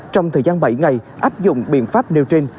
trong thời gian bảy ngày áp dụng biện pháp nêu trên